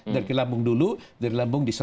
dari ke lambung dulu dari lambung ke akhir